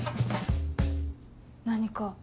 何か？